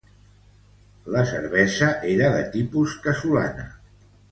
La cervesa era de tipus casolana.